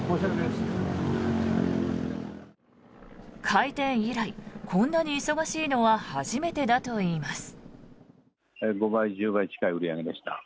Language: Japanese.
開店以来こんなに忙しいのは初めてだといいます。